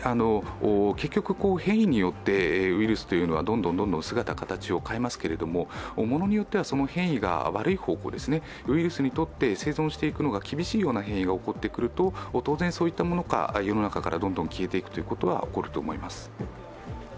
変異によってウイルスというのはどんどん姿形を変えますけれども、物によっては変異が悪い方向、ウイルスにとって生存していくのが厳しいような変異が起こってくると、当然そういったものが世の中から消えていくということが起こると思います。